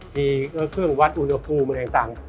มีเครื่องวัดอุณหภูมิอะไรต่าง